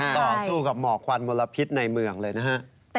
ต่อสู้กับหมอกควันมลพิษในเมืองเลยนะฮะ